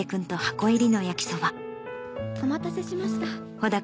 お待たせしました。